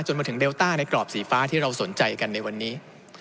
มาถึงเดลต้าในกรอบสีฟ้าที่เราสนใจกันในวันนี้